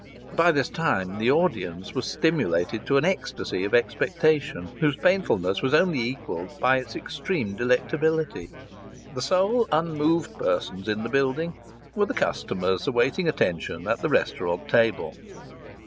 By this time the audience was stimulated to an ecstasy of expectation, whose painfulness was only equalled by its extreme delectability. The sole unmoved persons in the building were the customers awaiting attention at the restaurant table.